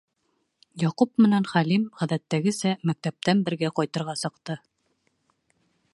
...Яҡуп менән Хәлим, ғәҙәттәгесә, мәктәптән бергә ҡайтырға сыҡты.